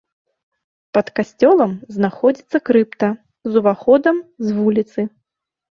Пад касцёлам знаходзіцца крыпта з уваходам з вуліцы.